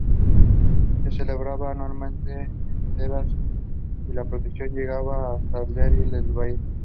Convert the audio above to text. Se celebraba anualmente en Tebas y la procesión llegaba hasta Deir el-Bahari.